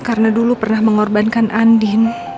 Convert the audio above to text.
karena dulu pernah mengorbankan andin